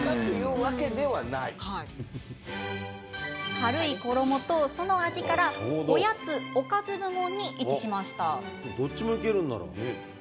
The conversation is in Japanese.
軽い衣と、その味からおやつ、おかず部門に位置しました。